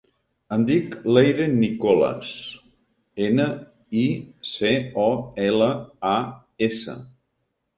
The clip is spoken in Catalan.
Em dic Leire Nicolas: ena, i, ce, o, ela, a, essa.